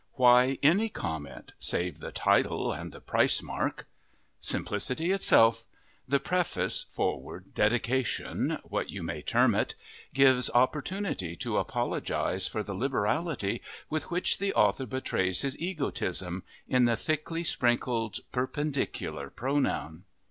Why any comment, save the title and the price mark? Simplicity itself! The preface, foreword, dedication what you may term it gives opportunity to apologize for the liberality with which the author betrays his egotism, in the thickly sprinkled perpendicular pronoun.